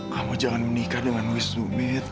kamu jangan menikah dengan wisnu mit